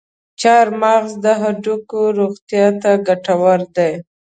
چارمغز د هډوکو روغتیا ته ګټور دی.